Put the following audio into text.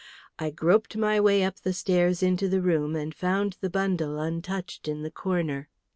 "I groped my way up the stairs into the room and found the bundle untouched in the corner."